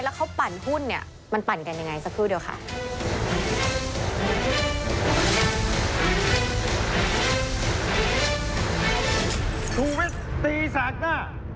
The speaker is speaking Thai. แล้วเขาปั่นหุ้นเนี่ยมันปั่นกันยังไงสักครู่เดียวค่ะ